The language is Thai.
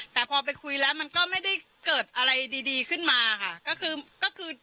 แต่พอไปคุยแล้วมันก็ไม่ได้เกิดอะไรดีขึ้นมาค่ะก็คือก็คือ